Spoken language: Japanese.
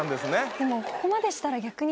でもここまでしたら逆に。